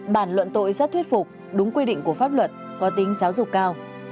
bản luận tội rất thuyết phục đúng quy định của pháp luật có tính giáo dục cao